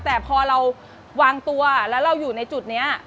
แต่พอเราวางตัวแล้วเราอยู่ในจุดนี้